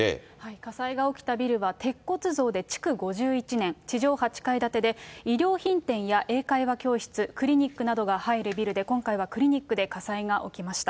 火災が起きたビルは鉄骨造で築５１年、地上８階建てで、衣料品店や英会話教室、クリニックなどが入るビルで、今回はクリニックで火災が起きました。